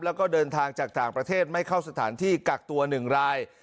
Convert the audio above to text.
แล้วก็เดินทางจากต่างประเทศไม่เข้าสถานที่กักตัว๑ราย